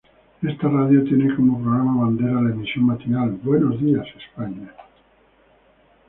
Esta radio tiene como programa bandera la emisión matinal "Buenos días, España".